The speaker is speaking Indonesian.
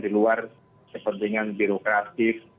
di luar sesentingan birokratis